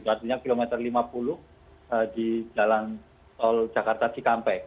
artinya kilometer lima puluh di jalan tol jakarta cikampek